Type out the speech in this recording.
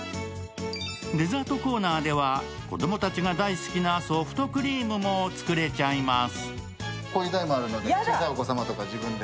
デザートコーナーでは、子供たちが大好きなソフトクリームも作れちゃいます。